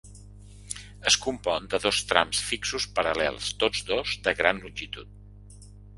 Es compon de dos trams fixos paral.lels, tots dos de gran longitud.